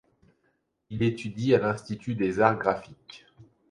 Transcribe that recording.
Il étudie à l'Institut des arts graphiques.